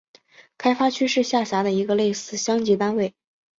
开发区是下辖的一个类似乡级单位。